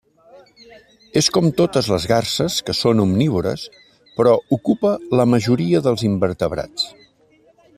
És com totes les garses que són omnívores, però ocupa la majoria dels invertebrats.